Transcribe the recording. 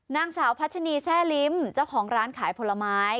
นางสาวพัชนีแทร่ลิ้มเจ้าของร้านขายผลไม้